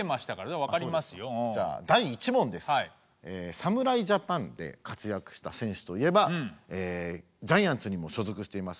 侍ジャパンで活躍した選手といえばジャイアンツにも所属しています